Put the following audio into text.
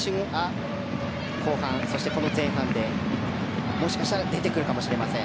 この選手が、後半でもしかしたら出てくるかもしれません。